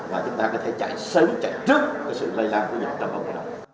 và chúng ta có thể chạy sớm chạy trước cái sự lây lan của dịch trong cộng đồng